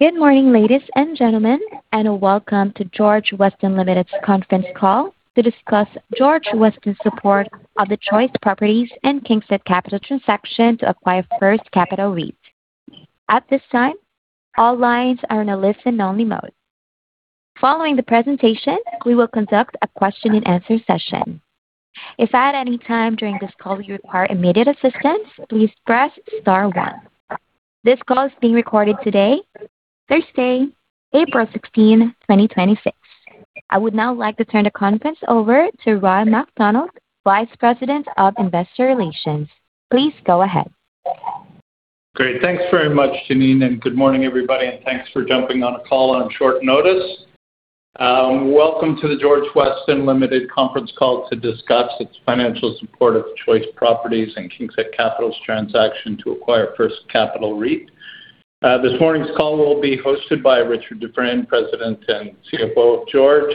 Good morning, ladies and gentlemen, and welcome to George Weston Limited's conference call to discuss George Weston's support of the Choice Properties and KingSett Capital transaction to acquire First Capital REIT. At this time, all lines are in a listen-only mode. Following the presentation, we will conduct a question and answer session. If at any time during this call you require immediate assistance, please press star one. This call is being recorded today, Thursday, April 16, 2026. I would now like to turn the conference over to Roy MacDonald, Vice President of Investor Relations. Please go ahead. Great. Thanks very much, Janine, and good morning, everybody, and thanks for jumping on a call on short notice. Welcome to the George Weston Limited conference call to discuss its financial support of Choice Properties and KingSett Capital's transaction to acquire First Capital REIT. This morning's call will be hosted by Richard Dufresne, President and CFO of George,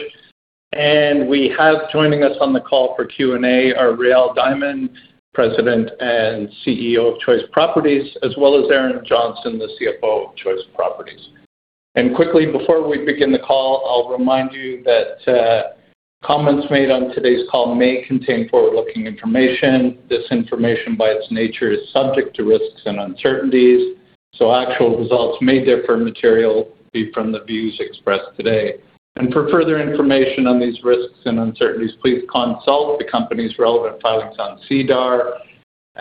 and we have joining us on the call for Q&A are Rael Diamond, President and CEO of Choice Properties, as well as Erin Johnston, the CFO of Choice Properties. Quickly, before we begin the call, I'll remind you that comments made on today's call may contain forward-looking information. This information, by its nature, is subject to risks and uncertainties, so actual results may differ materially from the views expressed today. For further information on these risks and uncertainties, please consult the company's relevant filings on SEDAR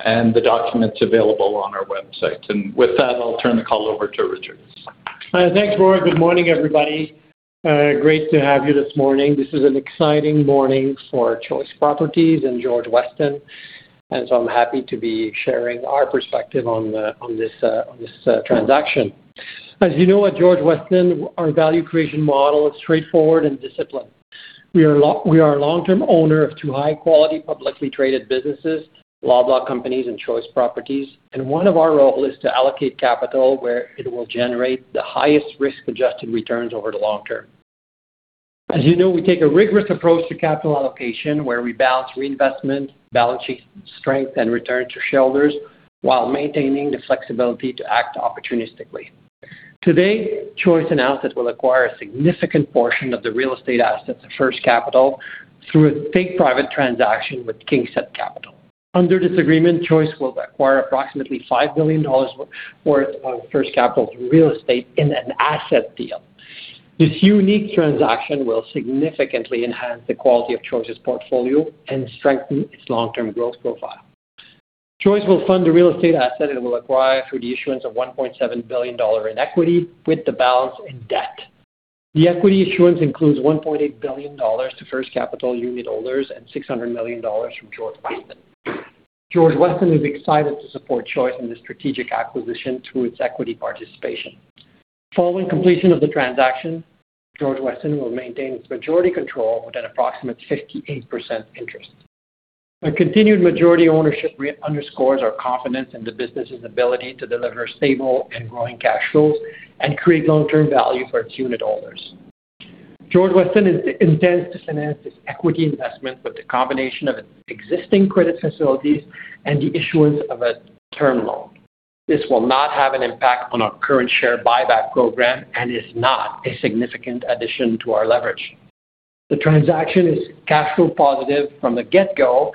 and the documents available on our website. With that, I'll turn the call over to Richard. Thanks, Roy. Good morning, everybody. Great to have you this morning. This is an exciting morning for Choice Properties and George Weston, and so I'm happy to be sharing our perspective on this transaction. As you know, at George Weston, our value creation model is straightforward and disciplined. We are a long-term owner of two high-quality, publicly traded businesses, Loblaw Companies and Choice Properties, and one of our roles is to allocate capital where it will generate the highest risk-adjusted returns over the long term. As you know, we take a rigorous approach to capital allocation, where we balance reinvestment, balance sheet strength, and return to shareholders while maintaining the flexibility to act opportunistically. Today, Choice announced it will acquire a significant portion of the real estate assets of First Capital through a take-private transaction with KingSett Capital. Under this agreement, Choice will acquire approximately 5 billion dollars worth of First Capital's real estate in an asset deal. This unique transaction will significantly enhance the quality of Choice's portfolio and strengthen its long-term growth profile. Choice will fund the real estate asset it will acquire through the issuance of 1.7 billion dollar in equity with the balance in debt. The equity issuance includes 1.8 billion dollars to First Capital unit holders and 600 million dollars from George Weston. George Weston is excited to support Choice in this strategic acquisition through its equity participation. Following completion of the transaction, George Weston will maintain its majority control with an approximate 58% interest. A continued majority ownership underscores our confidence in the business's ability to deliver stable and growing cash flows and create long-term value for its unit holders. George Weston intends to finance its equity investment with a combination of its existing credit facilities and the issuance of a term loan. This will not have an impact on our current share buyback program and is not a significant addition to our leverage. The transaction is cash flow positive from the get-go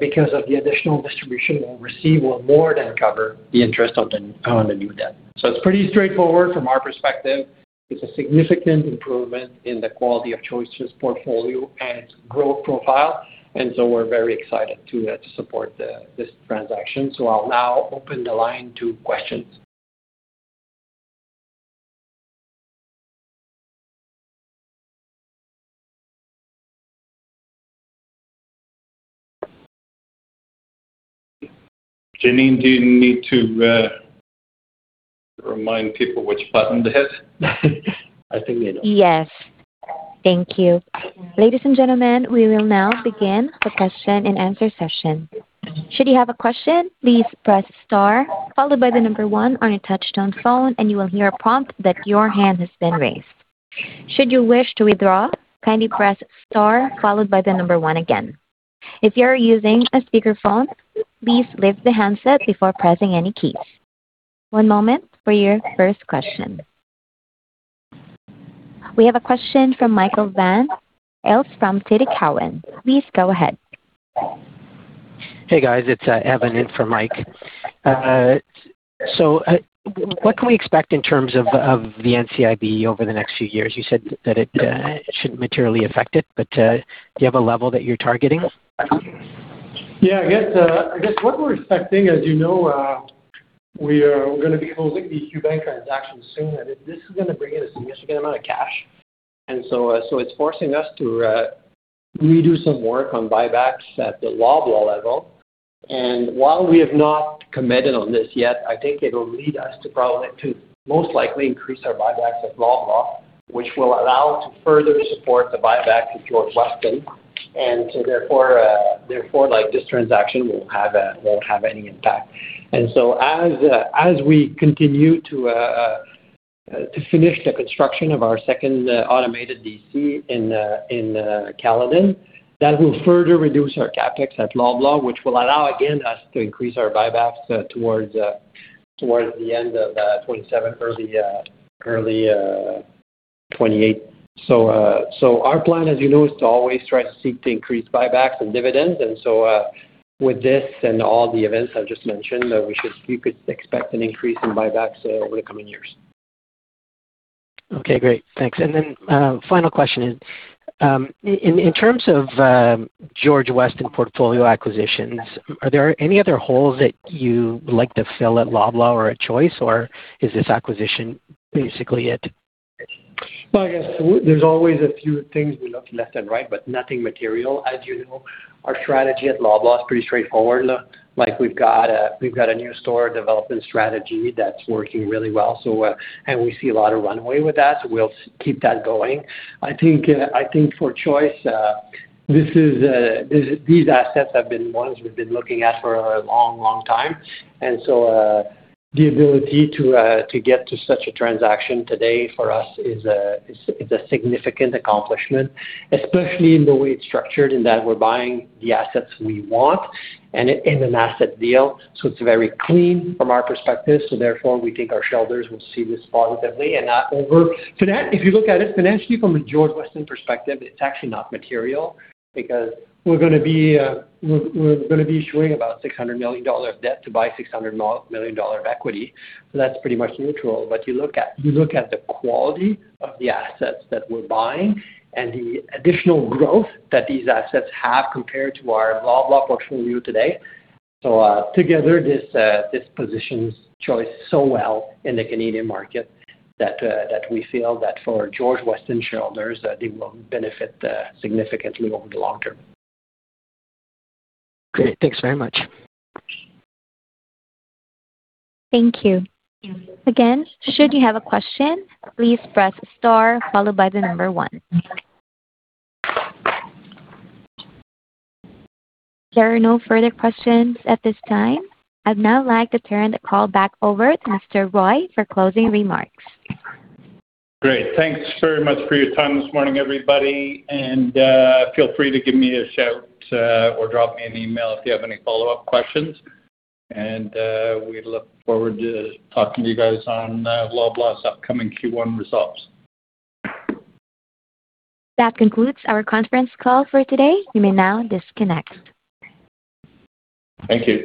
because the additional distribution we'll receive will more than cover the interest on the new debt. It's pretty straightforward from our perspective. It's a significant improvement in the quality of Choice's portfolio and its growth profile, and so we're very excited to support this transaction. I'll now open the line to questions. Janine, do you need to remind people which button it is? I think they know. Yes. Thank you. Ladies and gentlemen, we will now begin the question and answer session. Should you have a question, please press star followed by the number one on your touch-tone phone, and you will hear a prompt that your hand has been raised. Should you wish to withdraw, kindly press star followed by the number one again. If you are using a speakerphone, please lift the handset before pressing any keys. One moment for your first question. We have a question from Michael Van Aelst from TD Cowen. Please go ahead. Hey, guys, it's Evan in for Mike. What can we expect in terms of the NCIB over the next few years? You said that it shouldn't materially affect it, but do you have a level that you're targeting? Yeah, I guess what we're expecting is we are going to be closing the PC Bank transaction soon, and this is going to bring in a significant amount of cash. It's forcing us to redo some work on buybacks at the Loblaw level. While we have not committed on this yet, I think it'll lead us to most likely increase our buybacks at Loblaw, which will allow to further support the buyback at George Weston, and so therefore, this transaction won't have any impact. As we continue to finish the construction of our second automated DC in Caledon, that will further reduce our CapEx at Loblaw, which will allow, again, us to increase our buybacks towards the end of 2027, early 2028. Our plan, as you know, is to always try to seek to increase buybacks and dividends. With this and all the events I've just mentioned, we could expect an increase in buybacks over the coming years. Okay, great. Thanks. Final question is, in terms of George Weston portfolio acquisitions, are there any other holes that you would like to fill at Loblaw or at Choice, or is this acquisition basically it? Well, I guess there's always a few things we look left and right, but nothing material. As you know, our strategy at Loblaw is pretty straightforward. We've got a new store development strategy that's working really well, and we see a lot of runway with that, so we'll keep that going. I think for Choice, these assets have been ones we've been looking at for a long time. The ability to get to such a transaction today for us is a significant accomplishment, especially in the way it's structured, in that we're buying the assets we want and in an asset deal. It's very clean from our perspective. Therefore, we think our shareholders will see this positively and not over. If you look at it financially from a George Weston perspective, it's actually not material because we're going to be issuing about 600 million dollars of debt to buy 600 million dollar of equity. That's pretty much neutral. You look at the quality of the assets that we're buying and the additional growth that these assets have compared to our Loblaw portfolio today. Together, this positions Choice so well in the Canadian market that we feel that for George Weston shareholders, they will benefit significantly over the long term. Great. Thanks very much. Thank you. Again, should you have a question, please press star followed by the number 1. There are no further questions at this time. I'd now like to turn the call back over to Mr. Roy for closing remarks. Great. Thanks very much for your time this morning, everybody, and feel free to give me a shout or drop me an email if you have any follow-up questions. We look forward to talking to you guys on Loblaw's upcoming Q1 results. That concludes our conference call for today. You may now disconnect. Thank you.